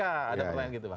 ada perlayan gitu bang